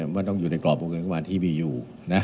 มันต้องอยู่ในกรอบโมงเงินที่มีอยู่